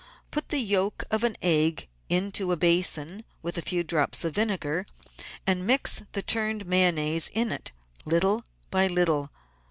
— Put the yolk of an egg into a basin with a few drops of vinegar, and mix the turned Mayonnaise in it, little by little.